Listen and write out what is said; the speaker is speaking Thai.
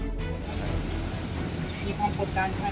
และพัยกรจำถาม